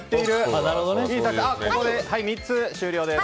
ここで３つ、終了です。